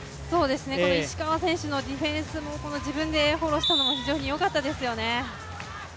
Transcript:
この石川選手のディフェンスも自分でフォローしたのも非常に良かったですよね。